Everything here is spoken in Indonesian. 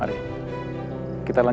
aku akan mencari angin bersamamu